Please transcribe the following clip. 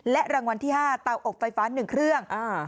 รางวัลที่๕เตาอบไฟฟ้า๑เครื่อง